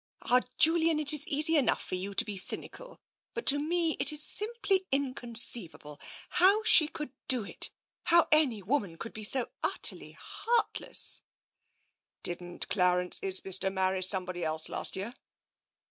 " Ah, Julian, it's easy enough for you to be cynical. But to me it's simply inconceivable — how she could do it. How any woman could be so utterly heart less " TENSION 9 "Didn't Clarence Isbister marry somebody else last year